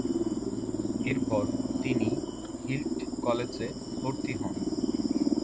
এরপর তিনি হিল্টন কলেজে ভর্তি হন।